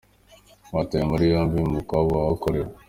Batawe muri yombi mu mukwabo wahakorewe.